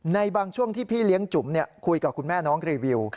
ในบางช่วงที่พี่เลี้ยงจุ๋มคุยกับคุณแม่น้องรีวิว